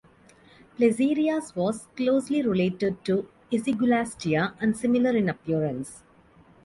"Placerias" was closely related to "Ischigualastia" and similar in appearance.